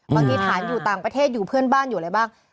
ฐานอยู่ต่างประเทศอยู่เพื่อนบ้านอยู่อะไรบ้าง